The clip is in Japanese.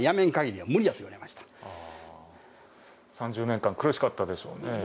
３０年間苦しかったでしょうね。